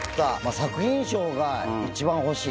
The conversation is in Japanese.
作品賞が一番欲しい。